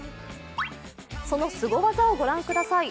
そのすご技をご覧ください。